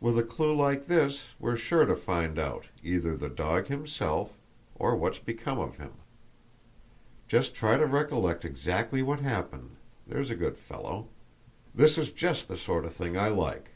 With a clue like this, we're sure to find out either the dog himself, or what's become of him! Just try to recollect exactly what happened, there's a good fellow. This is just the sort of thing I like!"